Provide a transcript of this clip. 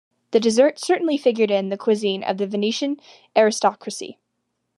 The dessert certainly figured in the cuisine of the Venetian aristocracy.